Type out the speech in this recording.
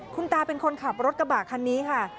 คุณตาเป็นคนขับรถกระบะคันนี้ค่ะ